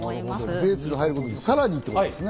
デーツが入ることでさらにということですね。